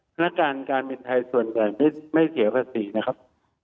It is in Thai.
พนักงานการเปลี่ยนไทยส่วนการเปลี่ยนไทยไม่เสียภาษีนะครับ